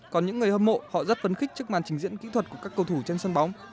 còn những người hâm mộ họ rất phấn khích trước màn trình diễn kỹ thuật của các cầu thủ trên sân bóng